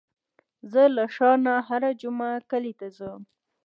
زه له ښار نه هره جمعه کلي ته ځم.